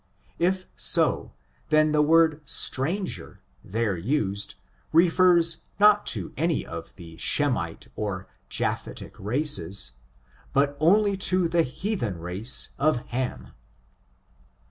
It so, then the word stranger, there used, refers not to any of the Shemite or Japhethic races, but only to the heathen race of Ham.